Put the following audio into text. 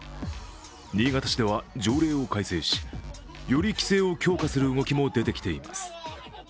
新潟市では条例を改正し、より規制を強化する動きも出てきています。